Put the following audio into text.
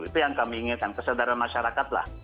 itu yang kami inginkan kesadaran masyarakat lah